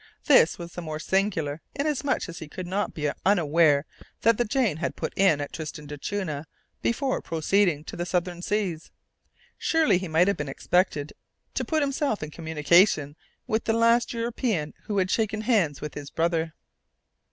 This was the more singular, inasmuch as he could not be unaware that the Jane had put in at Tristan d'Acunha before proceeding to the southern seas. Surely he might be expected to put himself in communication with the last European who had shaken hands with his brother!